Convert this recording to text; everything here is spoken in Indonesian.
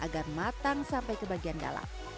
agar matang sampai ke bagian dalam